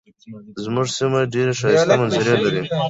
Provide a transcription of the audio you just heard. زمونږ سیمه ډیرې ښایسته منظرې لري.